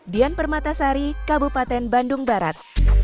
dian permatasari kabupaten bandung barat